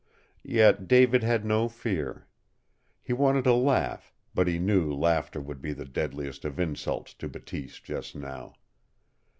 Yet David had no fear. He wanted to laugh, but he knew laughter would be the deadliest of insults to Bateese just now.